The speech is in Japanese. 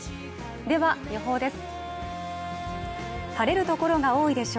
では予報です。